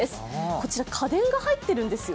こちら家電が入ってるんですよ。